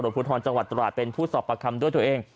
การตรวจพุทธธรรมจังหวัดตรวจเป็นผู้สอบประคำด้วยตัวเอง